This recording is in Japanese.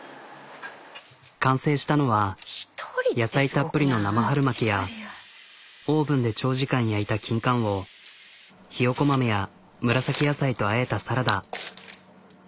完成したのは野菜たっぷりの生春巻きやオーブンで長時間焼いたキンカンをひよこ豆や紫野菜とあえたサラダ。